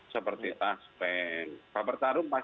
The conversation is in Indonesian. seperti tas pen paper tarung paper tapera dan lain lain